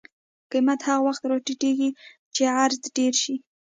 قیمت هغه وخت راټیټي چې عرضه ډېره شي.